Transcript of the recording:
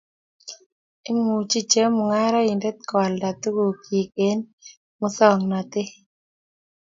Imuchi chemung'araindet koalda tugukchi eng musong'natet